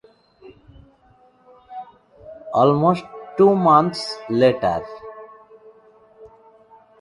Almost two months later, in March, she was underway again for WestPac.